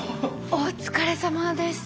お疲れさまです。